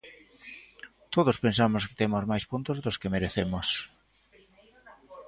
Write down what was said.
Todos pensamos que temos máis puntos dos que merecemos.